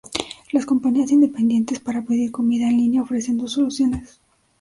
Las compañías independientes para pedir comida en línea ofrecen dos soluciones.